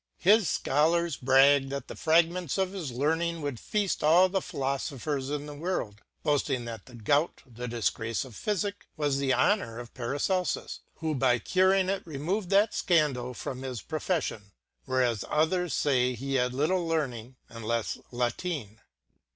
j His Scholars brag that the fragments of his learning would feafl: all the Philofophers in the world, boafting that j the gout, the diigraceof Phyfick, was the honour of Para celfus, who by curing it removed that fcandall from his pro fession : whereas others fay he had little Learning, and lefTe Latine.